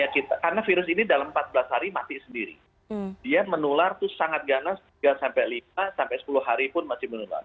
karena virus ini dalam empat belas hari mati sendiri dia menular itu sangat ganas tiga lima sampai sepuluh hari pun masih menular